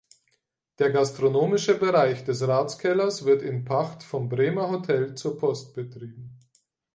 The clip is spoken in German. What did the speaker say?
Der gastronomische Bereich des Ratskellers wird in Pacht vom Bremer Hotel zur Post betrieben.